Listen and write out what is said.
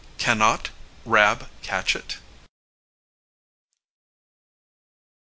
Can not Rab catch it?